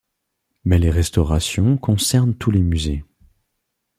Mais les restaurations concernent tous les musées.